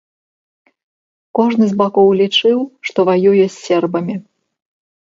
Кожны з бакоў лічыў, што ваюе з сербамі.